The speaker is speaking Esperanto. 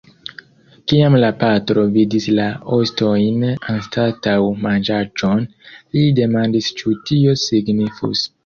Kiam la patro vidis la ostojn anstataŭ manĝaĵon, li demandis ĉu tio signifus.